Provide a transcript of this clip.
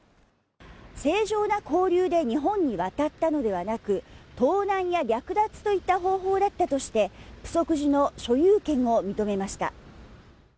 正常な交流で日本に渡ったのではなく盗難や略奪といった方法だったとして浮石寺の所有権を認めました。